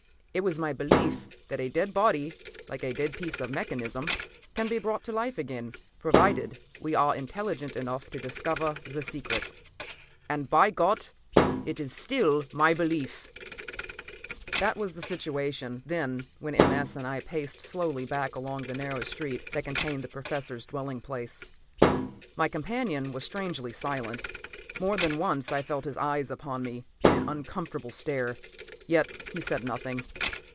It was my belief that a dead body, like a dead piece of mechanism, can be brought to life again, provided we are intelligent enough to discover the secret. And by God, it is still my belief!" That was the situation, then, when M. S. and I paced slowly back along the narrow street that contained the Professor's dwelling place. My companion was strangely silent. More than once I felt his eyes upon me in an uncomfortable stare, yet he said nothing.